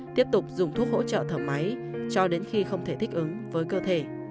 tiếp tục dùng thuốc hỗ trợ thở máy cho đến khi không thể thích ứng với cơ thể